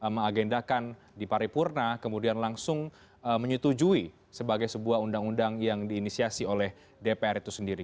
mengagendakan di paripurna kemudian langsung menyetujui sebagai sebuah undang undang yang diinisiasi oleh dpr itu sendiri